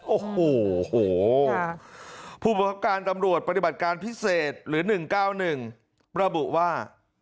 โอ้โหผู้บังคับการตำรวจปฏิบัติการพิเศษหรือ๑๙๑ระบุว่า